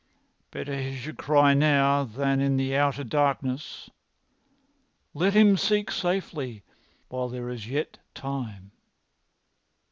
"Better he should cry now than in the outer darkness. Let him seek safety while there is yet time."